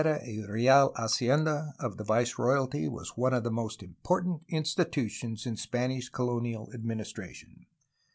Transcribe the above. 2 The* Junta de Guerra y Real Ha cienda of the viceroyalty was one of the most important institutions in Spanish colonial administration.